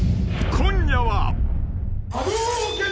［今夜は］